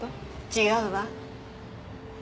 違うわ。